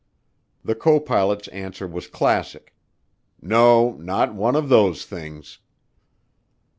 The copilot's answer was classic: "No, not one of those things."